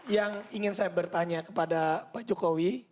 yang ingin saya bertanya kepada pak jokowi